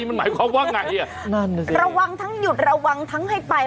มันหมายความว่าไงระวังทั้งหยุดระวังทั้งให้ไป